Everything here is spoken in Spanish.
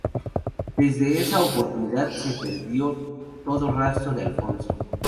Desde esa oportunidad, se perdió todo rastro de Alfonso.